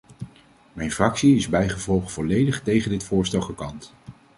Mijn fractie is bijgevolg volledig tegen dit voorstel gekant.